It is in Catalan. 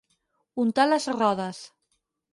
Untar les rodes.